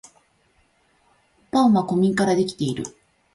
パンは小麦からできている